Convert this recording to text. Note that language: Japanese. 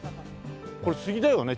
これ杉だよね。